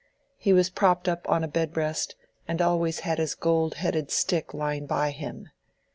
He was propped up on a bed rest, and always had his gold headed stick lying by him.